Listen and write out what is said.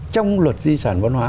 trong luật di sản văn hóa